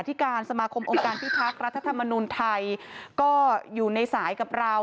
ที่การสมาคมองค์การพิทักษ์รัฐธรรมนุนไทยก็อยู่ในสายกับเรา